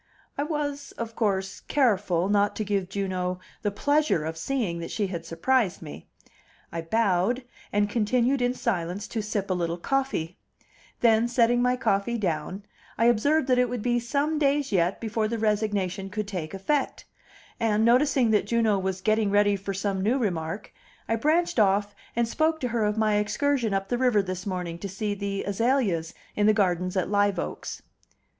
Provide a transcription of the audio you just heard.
I was, of course, careful not to give Juno the pleasure of seeing that she had surprised me. I bowed, and continued in silence to sip a little coffee; then, setting my coffee down, I observed that it would be some few days yet before the resignation could take effect; and, noticing that Juno was getting ready some new remark, I branched off and spoke to her of my excursion up the river this morning to see the azaleas in the gardens at Live Oaks.